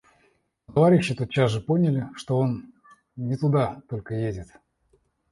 Но товарищи тотчас же поняли, что он не туда только едет.